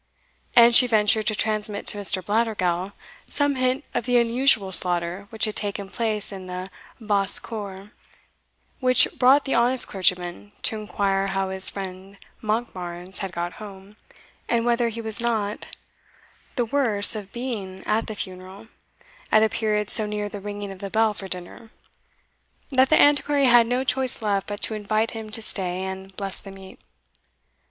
And she ventured to transmit to Mr. Blattergowl some hint of the unusual slaughter which had taken place in the basse cour, which brought the honest clergyman to inquire how his friend Monkbarns had got home, and whether he was not the worse of being at the funeral, at a period so near the ringing of the bell for dinner, that the Antiquary had no choice left but to invite him to stay and bless the meat.